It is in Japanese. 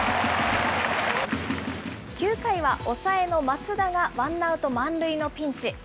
９回は抑えの増田がワンアウト満塁のピンチ。